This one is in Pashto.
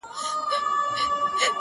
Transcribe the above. چا ويل ه ستا د لاس پر تندي څه ليـــكـلي.